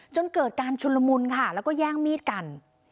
จนเกิดการชุนละมุนค่ะแล้วก็แย่งมีดกัน